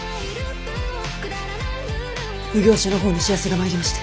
奉行所の方に知らせが参りまして。